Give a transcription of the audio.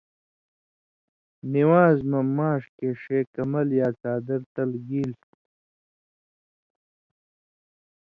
نِوان٘ز مہ ماݜ کہ ݜے کمل یا څادر تل گیل